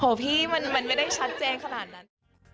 พี่มันไม่ได้ชัดเจนขนาดนั้น